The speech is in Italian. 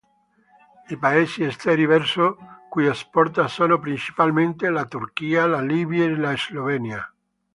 I paesi esteri verso cui esporta sono principalmente la Turchia, la Libia, la Slovenia.